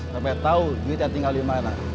sampai tau juita tinggal dimana